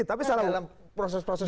tapi salah proses prosesnya